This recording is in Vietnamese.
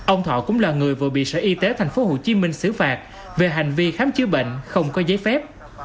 ông thọ cũng là người vừa bị sở y tế tp hcm xử phạt về hành vi khám chữa bệnh không có giấy phép